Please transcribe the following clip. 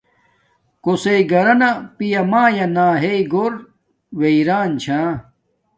کوسݵ گھرانا پیا مایا ناتا ہݵ گھور ویران چھا